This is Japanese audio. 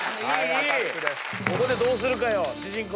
ここでどうするかよ主人公。